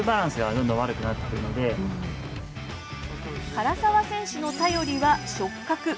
唐澤選手の頼りは触覚。